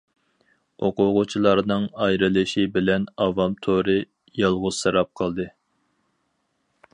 ئوقۇغۇچىلارنىڭ ئايرىلىشى بىلەن، ئاۋام تورى يالغۇزسىراپ قالدى.